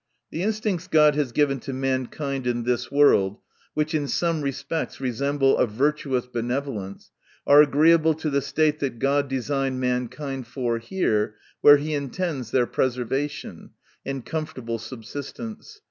The instincts God has given to mankind in this world, which in some re spects resemble a virtuous benevolence, are agreeable to the state that God designed mankind for here, where he intends their preservation, and comforta ble subsistence.